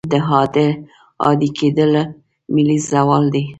دا عادي کېدل ملي زوال دی.